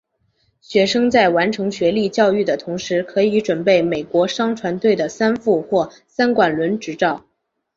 学生在完成学历教育的同时可以准备美国商船队的三副或三管轮执照。